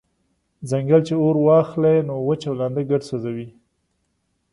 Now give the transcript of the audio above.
« ځنګل چی اور واخلی نو وچ او لانده ګډ سوځوي»